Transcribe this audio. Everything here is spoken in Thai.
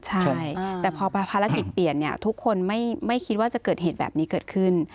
ใช่แต่พอภารกิจเปลี่ยนเนี่ยทุกคนไม่คิดว่าจะเกิดเหตุแบบนี้เกิดขึ้น